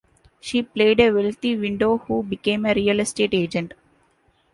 She played a wealthy widow who became a real estate agent.